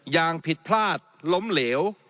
อย่างผิดพลาดล้มเหลว